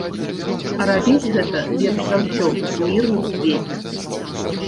А рабіць гэта лепш за ўсё ў мірным свеце.